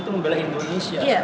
itu membela indonesia